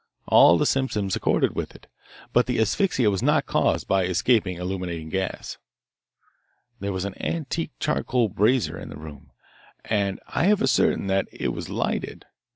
All the symptoms accorded with it. But the asphyxia was not caused by escaping illuminating gas. "There was an antique charcoal brazier in the room, and I have ascertained that it was lighted.